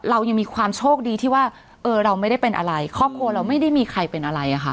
เรายังมีความโชคดีที่ว่าเออเราไม่ได้เป็นอะไรครอบครัวเราไม่ได้มีใครเป็นอะไรอะค่ะ